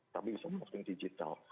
tapi bisa melakukan digital